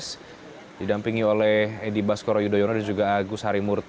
sba ini ditebani oleh